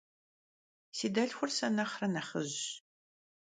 Si delhxur se nexhre nexhıjş.